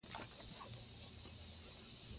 د افغانستان جغرافیه کې د کلیزو منظره ستر اهمیت لري.